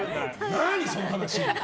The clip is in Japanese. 何その話！